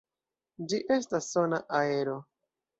Ĝi estas sona aero.